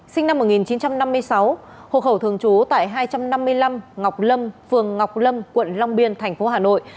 sinh năm một nghìn chín trăm năm mươi sáu hộ khẩu thường trú tại hai trăm năm mươi năm ngọc lâm phường ngọc lâm quận long biên thành phố hà nội